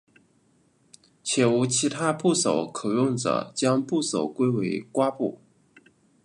且无其他部首可用者将部首归为瓜部。